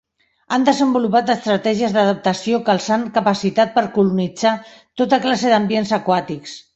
Han desenvolupat estratègies d'adaptació que els han capacitat per colonitzar tota classe d'ambients aquàtics.